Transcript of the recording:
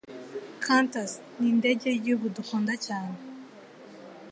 Quantas nindege yigihugu dukunda cyane